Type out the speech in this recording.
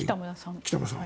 北村さん。